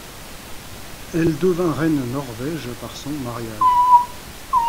Elle devint reine Norvège par son mariage.